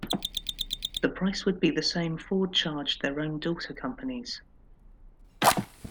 The price would be the same Ford charged their own daughter companies.